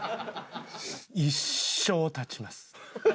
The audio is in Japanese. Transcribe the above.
一生勃ちます。